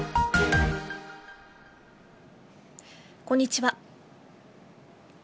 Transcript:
こんにちは。